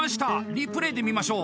リプレーで見ましょう。